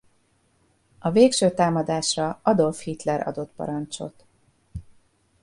A végső támadásra Adolf Hitler adott parancsot.